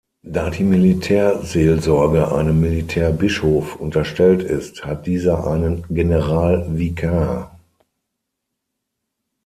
Da die Militärseelsorge einem Militärbischof unterstellt ist, hat dieser einen Generalvikar.